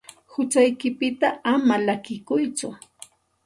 Huchaykipita ama llakikuytsu.